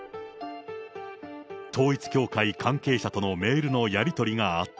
統一教会関係者とのメールのやり取りがあった。